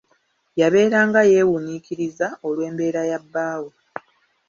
Yabeeranga yeewuniikiriza olw'embeera ya bbaawe.